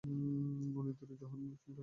অনেক দূরে, জোহানেসবার্গ।